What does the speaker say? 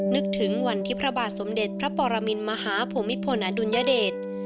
นึกถึงวันที่พระบาทสมเด็จพระปรมินมหาภูมิพลอดุลยเดช